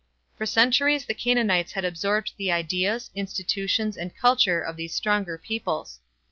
For centuries the Canaanites had absorbed the ideas, institutions, and culture of these stronger peoples.